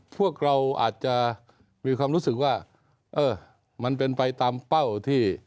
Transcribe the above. พวกเราอาจจะมีความรู้สึกว่าเออมันเป็นไปตามเป้าที่